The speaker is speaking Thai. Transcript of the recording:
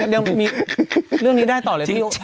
เรื่องนี้ได้ต่อเลย